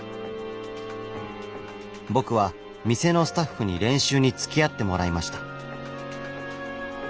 僕は店のスタッフに練習につきあってもらいました。